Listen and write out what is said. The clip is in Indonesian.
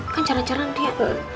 kan jalan jalan dia